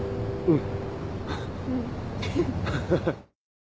うん。